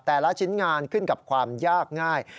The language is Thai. แต่ละชิ้นงานขึ้นกับความยากง่าย